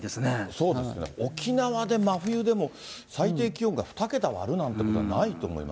そうですよね、沖縄で真冬でも最低気温が２桁割るなんてことないと思いますね。